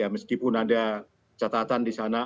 meskipun ada catatan di sana